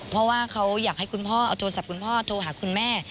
เพราะว่าเขาอยากให้คุณพ่อเอาโทรศัพท์คุณพ่อโทรหาคุณแม่